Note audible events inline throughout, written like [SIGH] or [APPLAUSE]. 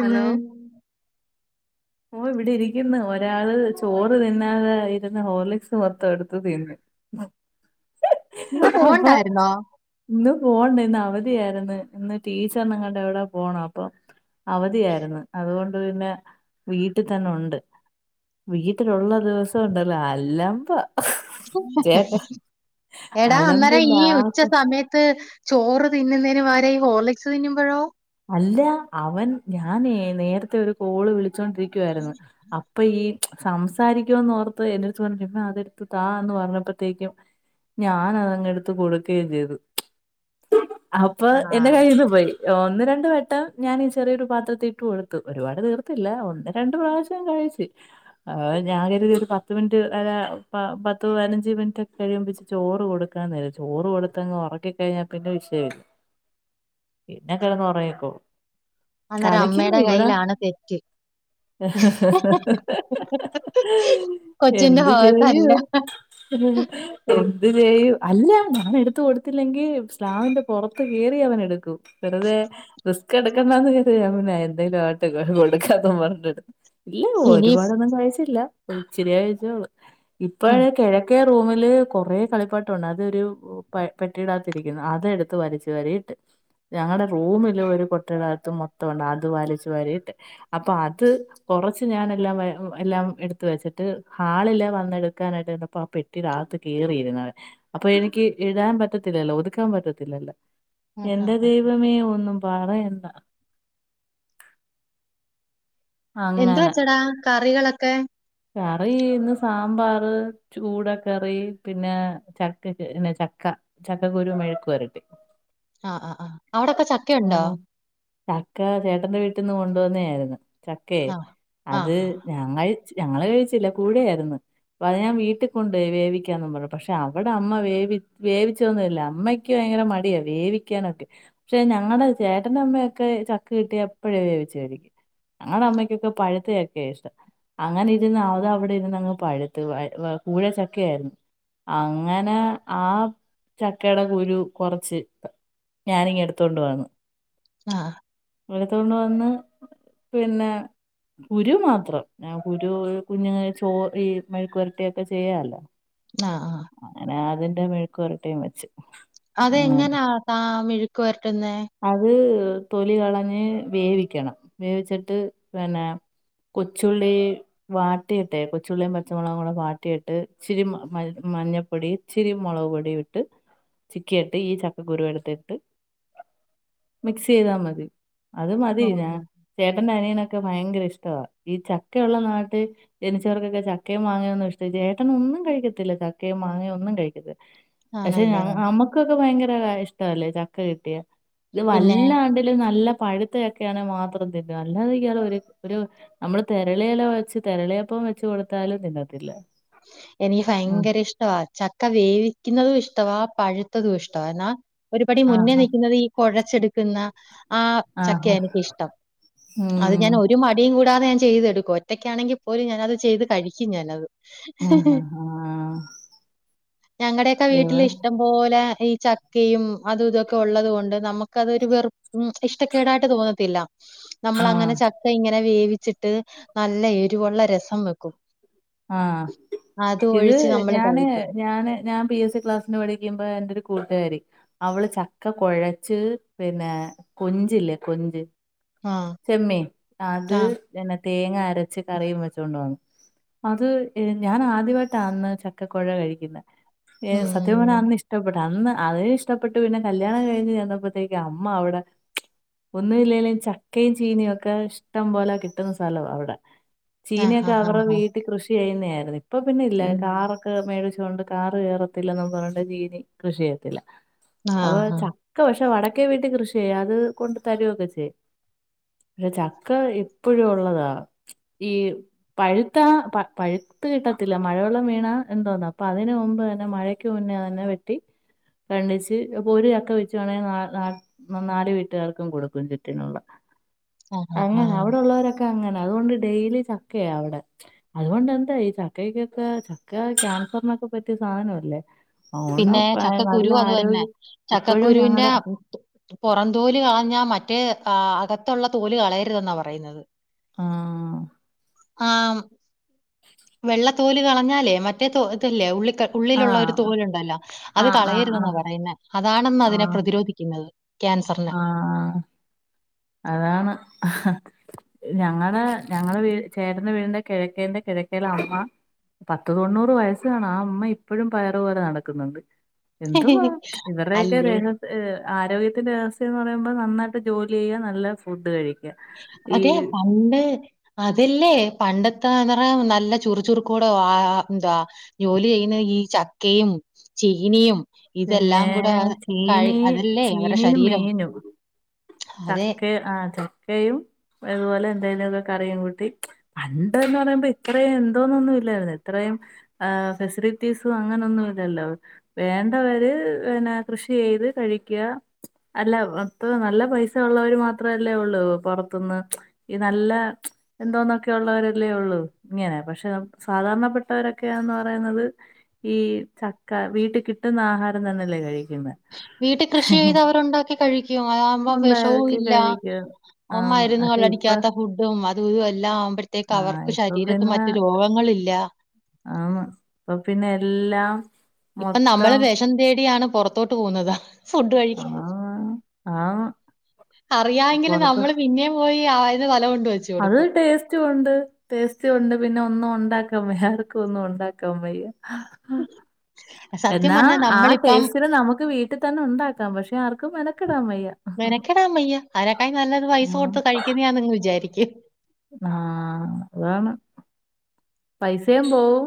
Hello ഓ ഇവിടെ ഇരിക്കുന്നു ഒരാള് ചോറ് തിന്നാതെ ഇരുന്ന് ഹോർലിക്സ് മൊത്തം എടുത്ത് തിന്നു [INAUDIBLE] [INAUDIBLE] [UNINTELLIGIBLE] പോവണ്ടായിരുന്നോ ഇന്ന് പോണ്ട ഇന്ന് അവധിയായിരുന്നു ഇന്ന് ടീച്ചർ നിങ്ങളുടെ എവിടെ പോണം അപ്പൊ അവധിയായിരുന്നു അതുകൊണ്ട് പിന്നെ വീട്ടിൽ തന്നെ ഉണ്ട് വീട്ടിലുള്ള ദിവസം ഉണ്ടല്ലോ അലമ്പ ചേട്ട എടാ അന്നേരം അലമ്പിന്റെ ഈ ആ ഉച്ച സമയത്ത് ചോറ് തിന്നുന്നേന് വര ഹോർലെക്സ് തിന്നുമ്പോഴോ അല്ല അവൻ ഞാൻ ന്നേ നേര്ത്തെ ഒരു കോള് വിളിച്ചോണ്ടിരിക്കുവായിരുന്നു അപ്പ ഈ സംസാരിക്കുമന്ന് ഓർത്ത് എന്റട്ത്ത് പറഞ്ഞ ഇപ്പ അതെടുത്ത് താ എന്ന് പറഞ്ഞപ്പോഴത്തേക്കും ഞാനതങ്ങ് എടുത്ത് കൊടുക്കുകയും ചെയ്തു അപ്പൊ ആ എന്റെ കഴന്ന് പോയി ഒന്ന രണ്ട വെട്ടം ഞാനീ ചെറിയൊരു പാത്രത്തിലിട്ട് കൊടുത്തു ഒരുപാട് തീർത്തില്ല ഒന്ന് രണ്ട് പ്രാവശ്യം കഴിച്ച് അ ഞാൻ കരുതി ഒരു പത്ത് മിനിറ്റ് അ പത്ത് പതിനഞ്ച് മിനിറ്റ് ഒക്കെ കഴിയുമു ചോറ് കൊടുക്കാൻന്നല്ല ചോറ് കൊടുത്തങ്ങ് ഒറക്കി കഴിഞ്ഞാ പിന്നെ വിഷയമില്ല [INAUDIBLE] പിന്നെ ക്കണ്ട്‌ കൊറേക്കും. അന്നേരം അമ്മേടെ കയ്യിലാണ് തെറ്റ് കൊച്ചിന്റെ എന്ത് ഭാഗത്തല്ല ചെയ്യും. ഉം എന്ത് ചെയ്യും അല്ല ഞൻ എടുത്ത കൊടുത്തില്ലെങ്കിൽ സ്ലാവിന്റെ പുറത്ത് കേറി അവൻ എടുക്കും വെറുതെ റിസ്ക് എടുക്കണ്ടന്ന് കോൻ പിന്നെ എന്തേലും ആട്ട് കൊടുക്കാത്തന്ന് പറഞ്ഞി് ഇല്ല ഇനി ഒരുപാടൊന്നും കഴിച്ചില്ല ഒരിച്ചിരി കഴിച്ചോള്ളൂ ഉം. ഇപ്പോഴേ കെഴക്കേ റൂമില് കൊറെേ കളിപ്പാട്ടുണ്ട് അതൊരു പെട്ടിയിടാത്തിരിക്കുന്നു അതെടുത്ത് വരച്ച്ു വരയിട്ട് ഞങ്ങടെ റൂമില് ഒരു കൊട്ടയുടെകത്തും മൊത്തംുണ്ട് അത് വലിച്ചു വരിയിട്ട് അപ്പൊ അത് കുറച്ച്ഞാാനെല്ലാം എല്ലാം എടുത്ത വെച്ചിട്ട് ഹാളില്ല വന്ന എടുക്കാനായിട്ട്പ്പ കുപ്പീരാത്ത് കേറിയിരുന്നെ അപ്പൊ എനിക്ക് എഴതാൻ പറ്റത്തില്ലല്ലോ ഒതുക്കാൻ പറ്റത്തില്ലല്ലോ ആ, ആ, എന്റെ ആ. ദൈവമേ ഒന്നും പറയണ്ടാ എന്ത് അങ്ങനെ വെച്ചടാ കറികളൊക്കെ കറി ഇന്ന് സാമ്പാർ ചൂടക്കറി പിന്നെ ചക്കന്നെ ചക്ക ചക്കക്കുരു മെഴക്ക്ു വരട്ടി ആ ആ ആ അവിടൊക്കെ ആ ചക്കയുണ്ടോ ചക്ക ചേട്ടന്റെ വീട്ടിന്ന് കൊണ്ടുവന്നേ ആയിരുന്ന്. ചക്കെ ആ ആ അത് ആ ഞാൻ കഴ ഞങ്ങൾ കഴിച്ചില്ല കൂടെ ആയിരുന്നു പ്പത് ഞാൻ വീട്ടി കൊണ്ടോയി വേവിക്കാന്നും പർഞ്ഞ്‌ പക്ഷെ അവിടെ അമ്മ വേവി വേവിച്ചൊന്നുല്ല അമ്മയ് ഭയങ്കര മടിയ വേവിക്കാനൊക്കെ പശേ ഞങ്ങടെ ചേട്ടന്റെ അമ്മയൊക്കെ ചക്ക കിട്ടിയ അപ്പഴേ വേവിച്ചു കഴിക്കും. ഞങ്ങടെ അമ്മയ്ക്കൊക്കെ പഴുത്തയൊക്കെ ഇഷ്ടം അങ്ങനെ ഇരുന്ന് അതവിടെ ഇരുന്ന് അങ്ങ് പഴുത്ത് കൂഴച്ചക്ക ആയിരുന്നു അങ്ങനെ ആ ചക്കെടെ കുരു കുറച്ച് ഞാനിങ്ങടുത്ത് കൊണ്ടുവന്നു ആഹ് [UNINTELLIGIBLE] ണ്ട് വന്ന് പിന്നെ കുരു മാത്രം കുരു കുഞ്ഞുങ്ങ ചോ ഈ മഴുക്കുരട്ടിയൊക്കെ ചെയ്യാലോ ആ ആ. അങ്ങനെ അതിന്റെ മെഴുക്കുവരട്ടീം വെച്ച് അങ്ങനെ അതെങ്ങനാ താ മെഴുക്ക് വരട്ടുന്നേ. അത് തൊലി കളഞ്ഞ് വേവിക്കണം വേവിച്ചിട്ട് പിന്നെ. കൊച്ചുള്ളി വാട്ടിയിട്ടെ കൊച്ചുള്ളിയും പച്ചമുളകും കൂടെ വാട്ടിയിട്ട് ഇച്ചിരി മ മഞ്ഞപ്പൊടി ഇച്ചിരി മുളക് പൊടിയും ഇട്ട് ചിക്കിയെട്ട് ഈ ചക്കക്കുരു എടുത്ത് ഇട്ട്. മിക്സ് യ്താ മതി അത് മതി ഓ ഞാൻ. ചേട്ടന്റെ അനിയനൊക്കെ ഭയങ്കര ഇഷ്ടവാ ഈ ചക്ക ഉള്ള നാട് ജനിച്ചവർക്കൊക്കെ ചക്കയും മാങ്ങയൊന്നും ഇഷ്ട ചേട്ടൻ ഒന്നും കഴിക്കത്തില്ല ചക്കയും മാങ്ങയും ഒന്നും കഴിക്കത്തില്ല. പക്ഷെ ഞ ആണല്ലേ ഞമ്മക്കൊക്കെ ഭയങ്കര ഇഷ്ടവല്ലേ ചക്ക കിട്ടിയ. ത് പിന്നെ വല്ലാണ്ടിലും നല്ല പഴുത്ത ചക്ക ആണെ മാത്രം തിന്നും അല്ലതെ ഇയാള് ഒരു ഒരു. നമ്മള് തെരളിയെല വെച്ച് തെരളിയപ്പം വെച്ച് കൊടുത്താലും തിന്നത്തില്ല. എനിക്ക് ആ ഭയങ്കര ഇഷ്ടവാ ചക്ക വേവിക്കുന്നതും ഇഷ്ടവാ പഴുത്തതും ഇഷ്ടവാ എന്നാ. ഒരുപടി ആ മുന്നേ നിൽക്കുന്നത് ഈ കൊഴച്ചെടുക്കുന്ന. ആ ചക്കയാ എനിക്ക് ഇഷ്ടം അത് ഉം ഞാൻ ഒരു. രു മടിയും കൂടാതെ ഞാൻ ചെയ്തെടുക്കും ഒറ്റക്കാണെങ്കിൽ പോലും ഞാനത് ചെയ്ത് തടിക്കും ഞാനത്. ആ ആ ആ ഞങ്ങടെയൊക്കെ വീട്ടിൽ എവിടെ ഇഷ്. ഇഷ്ടം പോലെ ഈ ചക്കയും അതും ഇതൊക്കെ ഉള്ളത് കൊണ്ട് നമുക്ക്. ക്ക അതൊരു വെറുപ്പ് ഇഷ്ടക്കേടായിട്ട് തോന്നത്തില്ല ആ നമ്മളങ്ങനെ ചക്ക ഇങ്ങനെ. വേവിച്ചിട്ട് നല്ല എരിവൊള്ള രസം വെക്കും. ആ അത് ഇത് ഒഴിച്ച് നമ്മള് ഞാന് കഴിക്കും. ഞാന് ഞാൻ പി എസ് സി ക്ലാസ്. [UNINTELLIGIBLE] പഠിക്കുമ്പോ എന്റെ ഒരു കൂട്ടുകാരി. അവള് ചക്ക കൊഴച്ച് പിന്നെ കൊഞ്ചില്ലേ കൊഞ്ച്. ആഹ്. ചെമ്മീൻ അത് ആഹ്. എന്ന തേങ്ങ അരച്ച് കറിയും വെച്ചോണ്ട് വന്നു. അത് ഞാൻ ആദ്യവായിട്ടാ അന്ന് ചക്കകൊഴ കഴിക്കുന്നത് ഏ സത്യം പറഞ്ഞ ഉം. അന്ന് ഇഷ്. ഇഷ്ടപ്പെട്ട് അന്ന് അതും ഇഷ്ടപ്പെട്ട് പിന്നെ കല്യാണം കഴിഞ്ഞ് ചെന്നപ്പോത്തേക്ക് അമ്മ അവിടെ. ഒന്നും ഇല്ലേലും ചക്കയും ചീനിയും ഒക്കെ ഇഷ്ടം പോലെ കിട്ടുന്ന സ്ഥലവാ അവിടെ. ചീഞയൊക്കെ കവറോ ആഹാഹാഹാ. വീട്ടിൽ കൃഷി ചെയ്യുന്നായിരുന്നു ഇപ്പൊ പിന്നെ ഇല്ല ഉം. കാറൊക്ക്. മേടിച്ചോണ്ട് കാറ് കയറത്തില്ലെന്ന് പറഞ്ഞോണ്ട് ചീനി കൃഷി ചെയ്യത്തില്ല അതുപോലെ ആഹാ. ച. ക്ക് പക്ഷെ വടക്കെ വീട്ടിൽ കൃഷി ചെയ്യാം അത് കൊണ്ട് തരുവൊക്കെ ചെയ്യും. ചക്ക ഇപ്പഴും ഉള്ളതാ ഈ പഴു. ത്ത പ പഴുത്ത് കിട്ടത്തില്ല മഴവെള്ളം വീണാ എന്തോന്ന അപ്പൊ അതിന് മുമ്പ് തന്നെ മഴക്ക് മുന്നേ തന്നെ വെ. ട്ടി കണ്ടിച്ച് അപ്പൊ ഒരു ചക്ക വെച്ച് വേണേല്‍ ന ന. ന നാല് വീട്ടുകാർക്കും കൊടുക്കും ചുറ്റിനുള്ള. ആഹാഹാ. അങ്ങനാ അവിടെ ഉള്ളവരൊക്കെ അങ്ങനെ അതുകൊണ്ട് ഡെയിലി ചക്കയാ അവിടെ. അതുകൊണ്ട് എന്താ ഈ ചക്കക്കൊക്കെ ചക്ക ക്യാൻസറിനൊക്കെ പറ്റിയ സാധനവല്ലേ. പിന്നെ ചക്കക്കുരു അത് തന്നെ ഇപ്പോഴും ചക്കക്കുരുവിന്റെ ഞങ്ങളുടെ ഉ. പുറന്തോല് കളഞ്ഞാ മറ്റേ അകത്തുള്ള തോല് കളയരുതെന്നാ പറയുന്നത്. ആ ഹ് ആ വെള്ളത്തോല് കളഞ്ഞാലേ മറ്റേ തോ ഇതില്ലേ ഉള്ളിക്ക. ആ ഉള്ളിലുള്ള ഒരു തോലുണ്ടല്ലോ അത് ആ ആ ആ കളയരുതെന്നാ പറയുന്നത് അതാണെന്ന് ആ അതിനെ പ്രതിരോധിക്കുന്നത്. ക്യാൻസറിന്. അതാണ്അഹ ഞങ്ങടെ ഞങ്ങളെ വീ ചേട്ടൻ്റെ വീടിന്റെ കിഴക്കേന്റെ കിഴക്കേലെ അമ്മ. പത്ത് തൊണ്ണൂറ് വയസ് കാണും ആ ഇമ്മ ഇപ്പഴും പയർ പോലെ നടക്കുന്നുണ്ട്. എന്തുവാ ഇവർടെയൊക്കെ അല്ലേ? ദേഹ. ആരോഗ്യത്തിൻ്റെ രഹസ്യന്ന് പറയുമ്പോൾ നന്നായിട്ട് ജോലി ചെയ്യുക നല്ല ഫുഡ് കഴി. അതെ പൗണ്ട് അതില്ലേ പണ്ടത്തെ [UNINTELLIGIBLE] നല്ല ചുറു ചുറുക്കൂടെ ആ എന്ത. ജോലി ചെയ്യുന്ന ഈ ചക്കയും ചീനിയും ഇതെല്ലാം പിന്നെ കൂടെ കഴി ചീനി അതല്ലേ അവരുടെ ചീനിയും ശരീരം മീനും അതെ ചക്ക ആഹ് ചക്കയും അതുപോലെ എന്തായാലും ഒക്കെ കറിയും കൂട്ടി പണ്ട്ന്ന് പറയുമ്പോ ഇത്രയും എന്തോന്നൊന്നുല്ല ഇല്ലായിരുന്നു ഇത്രയും ആഹ് ഫെസിലിറ്റീസും അങ്ങനൊന്നും ഇല്ലല്ലോ വേ വര് പിന്നെ കൃഷി ചെയ്ത് കഴിക അല്ല മത്ര നല്ല പൈസ ഉള്ളവര് മാത്രല്ലേ ഉള്ളു പുറത്തുന്ന് ഈ നല്ല എന്തോന്നൊക്കെ ഉള്ളവരല്ലേ ഉള്ളൂ ഇങ്ങനെ പക്ഷെ സാധാരണ പ്പെട്ടവരൊക്കെയന്ന് പറയുന്നത് ഈ ചക്ക വീട്ട് കിട്ടുന്ന ആഹാരം തന്നെല്ലേ കഴിക്കുന്നത് വീട്ടിൽ കൃഷി ചെയ്ത് അവരുണ്ടാക്കി കഴിക്കും അതകുമ്പോ ഉണ്ട് വിഷവും അതൊക്കെ ഇല്ല കഴിക്കും അ് ആന്ന് ഇരുരുന്നു പക്ഷെ ഇപ്പൊ കള്ളടിക്കാത്ത ഫുഡ് അതും അതും തും എല്ലാം ആവുമ്പോഴത്തേക്ക് ആ അവർക്ക് ഇപ്പൊ ശരീരത്ത് പിന്നെ മറ്റു രോഗങ്ങളല്ല ആന്ന് അപ്പൊ പിന്നെ എല്ലാം ഇപ്പൊ നമ്മള് മൊത്തം വിഷം തേടിയാണ് പുറത്തോട്ട് പോകുന്നത് ഫുഡ് കഴക്ക് ആന്ന് ആന്ന് അറിയാമെങ്കിൽ പുറത്ത് നമ്മള് പിന്നെ പോയി ആയന് വല കൊണ്ട് വെച്ചു അത് കൊടുക്കും ടേസ്റ്റ് റ്റു ണ്ട് ടേസ്റ്റ ഉണ്ട് പിന്നെ ഒന്നും ഉണ്ടാക്കാൻ വയ്യ ആർക്കും ഒന്നും ഉണ്ടാക്കാൻ വയ്യ ഇ എന്നാ ആ ടേസ്റ്റന് നമുക്ക് വീട്ടിൽ തന്നെ ഉണ്ടാക്കാം പക്ഷെ ആർക്കും മനക്കിടാംൻ വയ്യ മെനക്കെടാ വയ്യ അതിനെക്കാ നല്ലത് പൈസ ഉം. കൊടുത്ത് കഴിക്കുന്നാ വിചാരിക്കും ആഹ് അതാണ് പൈസയും പോവും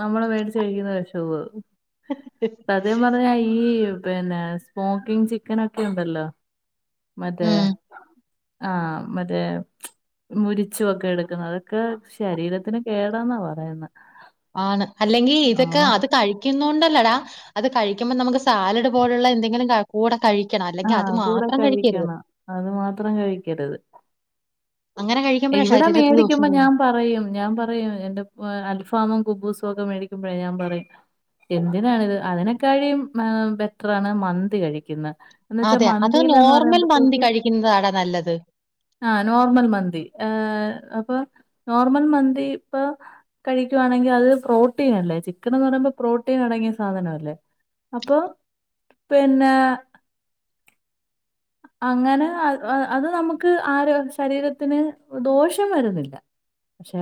നമ്മള് മേടിച്ച കഴിക്കുന്ന വിഷവും സത്യം പറഞാ ഈ യു പിന്നെ സ്മോക്കിങ് ചിക്കൻ ഒക്കെ ഉണ്ടല്ലോ മറ്റേ ഉം ആഹ് മറ്റേ മുരിച്ചു വൊക്കെ എടുക്കുന്ന അതൊക്കെ ശരീരത്തിന് കേടാന്നാ പറയുന്ന ആണ് അല്ലെങ്കിൽ ഇതൊക്കെ അത് കഴ ക്യുണ്ടല്ലെടാ അത് കഴിക്കുമ്പോ നമുക്ക് സാലഡ് പോലുള്ള എന്തെങ്കിലും കൂടെ കഴി ക്കണം അല്ലെങ്കിൽ അത് ആഹ് കൂടെ മാത്രം കഴിക്കരുത് കഴിക്കണം അത് മാത്രം കഴിക്കരുത് അങ്ങനെ കഴിക്കുമ്പോഴാ ഇവിടെ ശരീരത്തിന് ദോഷം മേടിക്കുമ്പോ ചെയ്യുന്നത് ഞാൻ പറയും ഞാൻ പറയും എന്റെ അൽഫാമും കുബൂസും ഒക്കെ മേടിക്കുമ്പോഴേ ഞാൻ പറയും എന്തിനാണിത് അതിനെക്കാഴും ബെറ്ററാണ് മന്തി കഴിക്കുന്നത് അതെ അത നോർമൽ മന്തി കഴിക്കുന്നതടാ നല്ലത് ആഹ് നോർമൽ മന്തി ഏഹ് അപ്പൊ നോർമൽ മന്തി ഇപ്പൊ കഴിക്കുവാണെങ്കിൽ അത് പ്രോട്ടീൻ അല്ലേ ചിക്കൻ എന്ന് പറയ്പോ പ്രോട്ടീൻ അടങ്ങിയ സാധനം അല്ലേ അപ്പൊ പിന്നെ അങ്ങനെ അത് നമുക്ക് ക്ക് ആര ശരീരത്തിന് ദോഷം വരുന്നില്ല പക്ഷെ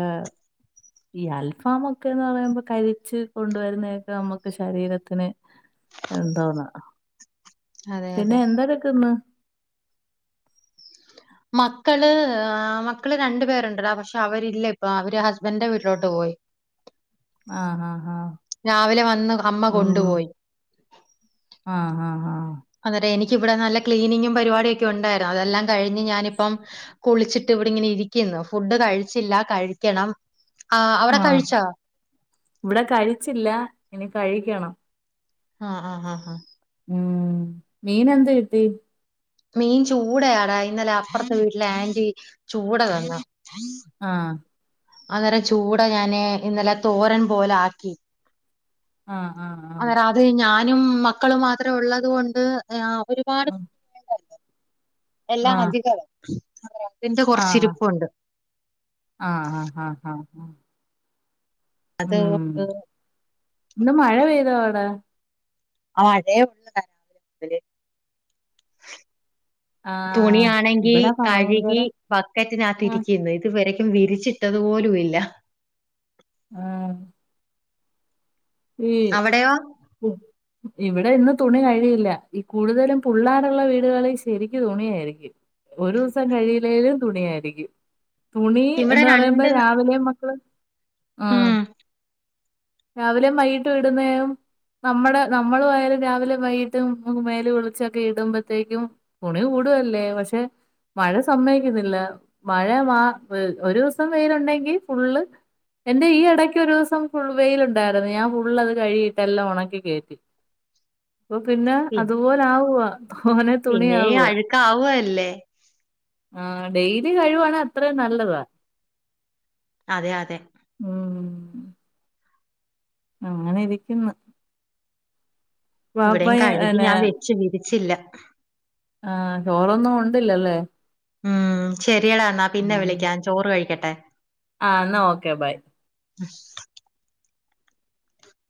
ഈ അൽഫാം ഒക്കെ എന്ന് പറയുമ്പോ കരിച്ച് കൊണ്ടുവരുന്നതൊക്കെ നമ്മുക്ക് ശരീരത്തിന് എന്തോന്നാ അതെ പിന്നെ അതെ എന്ത്ട്ക്ക്ന്ന് മക്കള് മക്കള് രണ്ടു പേരുണ്ട്ട പക്ഷെ അവരില്ല ഇപ്പൊ അവര് ഹസ്ബൻഡന്റെ വീട്ടിലോട്ട് പോയി ആഹ് ആഹ് ആഹ് രാവിലെ വന്ന് അമ്മ ഉം കൊണ്ടുപോയി ആഹ് ആഹ് ആഹ് അതേ എനിക്കി ഇവിടെ നല്ല ക്ലീനിങ്ങും പരിപാടിയ ഒക്കെ ഉണ്ടായിരുന്നു അതെല്ലാം കഴിഞ് ഞാനിപ്പം കുളിച്ചിട്ട് ഇവിടെ ഇങ്ങനെ ഇരിക്കുന്നു ഫുഡ് കഴിച്ചില്ല കഴിക്കണം ആഹ് അവടെ കഴിച്ചാ ഇവിടെ കഴിച്ചില്ല ഇനി കഴിക്കണം ആഹ് ആഹ് ആഹ് ആഹ് ഉം മീൻ എന്ത് കിട്ടി മീൻ ചൂടയാടാ ഇന്നലെ അപ്പുറത്തെ വീട്ടിലെ ആന്റി ചൂട തന്നു ആഹ് അന്നേരം ചൂട ഞാൻ ഇന്നലെ തോരൻ പോല ആക്കി ആഹ് ആഹ് അത് അത് ഞാനും മക്കളും മാത്രേ ഉള്ളത് കൊണ്ട് ഒരുപാട് എല്ലാം ആഹ് അധികവാ തിന്റെ ആഹ് കൊറച്ച് ആഹ് ഇരിപ്പുണ്ട് ആഹ് ആ് ആഹ് ആഹ് ആഹ ഉം ഇന്ന് മഴ പെയ്തോ അവിടെ ആ മഴയ ഉള്ള വല് ആഹ് തുണിയാണെങ്കി ഇവിടെ ഭയങ്കര കഴുകി ബക്കറ്റിനകത്ത് ആഹ് ഇരിക്കുന്നു ഇത് ഇതുവരക്കും വിരിച്ചിട്ടത് പോലും ഇല്ല ആഹ് ഈ അവിടെയോ ഉ ഇവിടെ ഇന്ന് തുണി കഴിയില്ല ഈ കൂടുതലും പുള്ളേരുള്ള വീടുകളിൽ ശരിക്ക് തുണിയായിരിക്കും ഒരു ദിവസം കഴിയില്ലേലും തുണിയായിരിക്കും തുണി ഇവിടെ എന്ന് പറയുമ്പോ രണ്ട് രാവിലെ മക്കള് ഉം രാവിലെയും വൈകിട്ടും വിടുന്നെയോ നമ്മടെ നമ്മളുആയാലും രാവിലെ വൈകിട്ടും മേല് കുളിച്ചൊക്കെ ഇട്ടുമ്പത്തേക്കും തുണി കൂടുവല്ലേ പക്ഷെ മഴ സമ്മയ്ക്കുന്നില്ല മഴ മാ ഒരു ദിവസം വെയിലുണ്ടെങ്കി ഫുള്ള് എന്റെ ഈ ഇടയ്ക്ക് ഒരു ദിവസം ഫുൾ വെയിൽ ഉണ്ടായിരുന്നു ദദയാം ഫുൾ അത് കഴുകിയിട്ടേല്ലാം ഒണക്കി കേറ്റി ഇപ്പൊ പിന്നെ പി അത് പോലെ ആവുവ തോനെ പിന്നെ തുണിയാവുവ അഴുക്കാവുകയല്ലേ ആ ഡെയിലി കഴുവാണൽ അത്രേം നല്ലതാ അതെ അതെ ഉം അങ്ങനെ ഇരിക്കുന്നു പാപ്പയെ ന്നെ പക്ഷെ വിരിച്ചില്ല ആഹ ചോറൊന്നും ഉണ്ടില്ലല്ലേ ഉം ശെരിയടാണാ പിന്നെ വിളിക്കാ ചോറ് കഴിക്കട്ടെ ആഹ് ന്നാ ഓക്കെ ബൈ [UNINTELLIGIBLE]